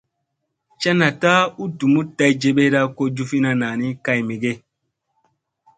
Ca naɗta u ɗumuɗ day jeɓeeɗa ko jufina nani kay mege ?